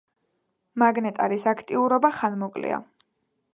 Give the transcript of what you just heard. მაგნეტარის აქტიურობა ხანმოკლეა.